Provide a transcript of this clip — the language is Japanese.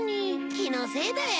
気のせいだよ。